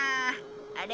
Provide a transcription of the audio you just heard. あれ？